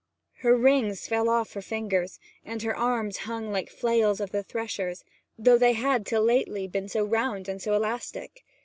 Her rings fell off her fingers, and her arms hung like the flails of the threshers, though they had till lately been so round and so elastic.